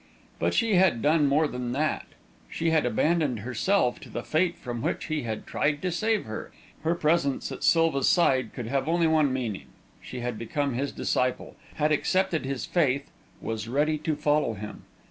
But she had done more than that. She had abandoned herself to the fate from which he had tried to save her. Her presence at Silva's side could have only one meaning she had become his disciple, had accepted his faith, was ready to follow him.